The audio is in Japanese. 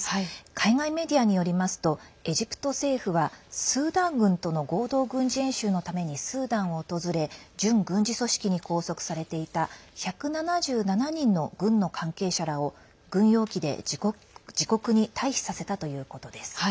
海外メディアによりますとエジプト政府はスーダン軍との合同軍事演習のためにスーダンを訪れ準軍事組織に拘束されていた１７７人の軍の関係者らを軍用機で自国に退避させたということです。